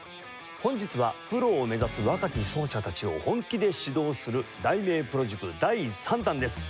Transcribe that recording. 本日はプロを目指す若き奏者たちを本気で指導する題名プロ塾第３弾です。